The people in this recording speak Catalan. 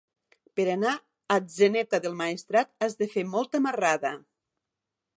Per anar a Atzeneta del Maestrat has de fer molta marrada.